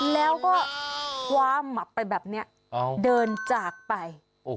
แล้วก็คว้าหมับไปแบบนี้เดินจากไป